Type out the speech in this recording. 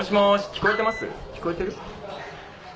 聞こえてる？